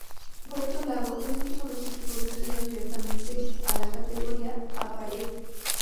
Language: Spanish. Por otro lado, los últimos dos equipos descendieron directamente a la Kategoria e Parë.